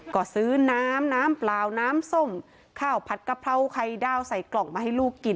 ก็ซื้อน้ำน้ำเปล่าน้ำส้มข้าวผัดกะเพราไข่ดาวใส่กล่องมาให้ลูกกิน